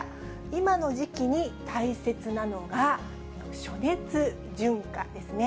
今の時期に大切なのが、暑熱順化ですね。